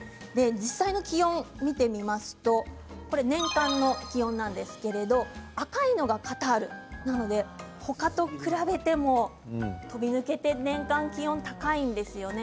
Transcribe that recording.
実際の気温を見てみますと年間の気温なんですけれど赤いのがカタールなので他と比べても飛び抜けて年間気温が高いんですよね。